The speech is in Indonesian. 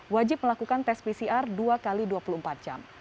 wajib melakukan tes pcr dua x dua puluh empat jam